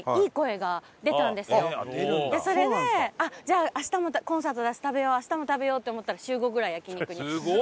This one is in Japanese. それでじゃあ明日もコンサートだし食べよう明日も食べようって思ったら週５ぐらい焼肉に。